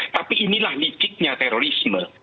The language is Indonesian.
tapi inilah nitiknya terorisme